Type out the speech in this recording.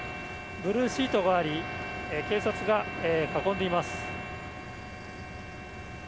ブルーシートがあり警察が囲んでいます。